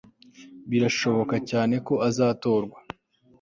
Birashoboka cyane ko azatorwa